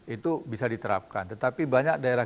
itu bisa diterapkan tetapi banyak daerah